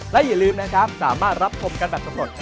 และอย่าลืมนะครับสามารถรับชมกันแบบสำรวจ